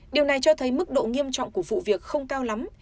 điều này cho thấy mức độ nghiêm trọng của vụ việc không cao lắm